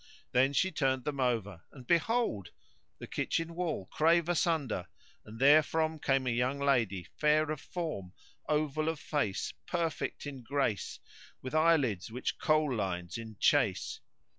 Then she turned them over and, behold, the kitchen wall crave asunder, and therefrom came a young lady, fair of form, oval of face, perfect in grace, with eyelids which Kohl lines enchase.